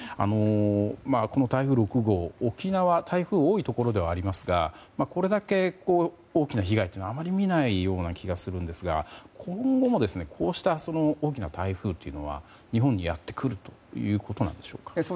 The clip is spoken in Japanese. この台風６号、沖縄台風が多いところではありますがこれだけ、大きな被害はあまり見ないような気がするんですが今後もこうした大きな台風というのは日本にやってくるということですか。